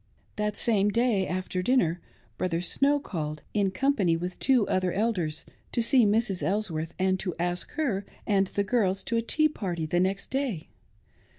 The same day, after dinner. Brother Snow called, in company with two other elders, to see Mrs. Elsworth, and to ask her and the girls to o. tea party, the next day.